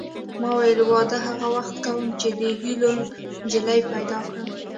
ما ویل واده هغه وخت کوم چې د هیلو نجلۍ پیدا کړم